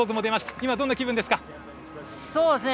今、どんな気分ですか。